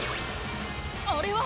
あれは！